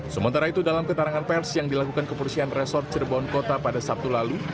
sementara itu dalam keterangan pers yang dilakukan kepolisian resort cirebon kota pada sabtu lalu